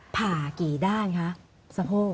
ผ่ากี่ด้านคะสะโพก